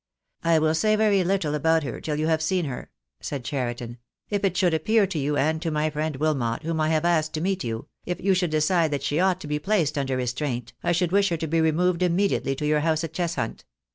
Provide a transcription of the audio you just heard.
"I will say very little about her till you have seen her," said Cheriton. "If it should appear to you and to my friend Wilmot, whom I have asked to meet you, — if you should decide that she ought to be placed under restraint, I should wish her to be removed immediately to your house at Cheshunt.